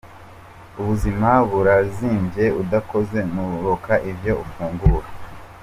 Ubuzima burazimvye, udakoze nturonka ivyo ufungura.